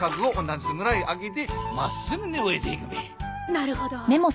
なるほど。